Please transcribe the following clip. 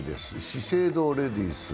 資生堂レディス。